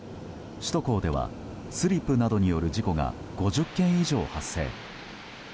首都高ではスリップなどによる事故が５０件以上発生。